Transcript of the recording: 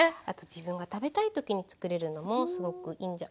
あと自分が食べたい時に作れるのもすごくいい。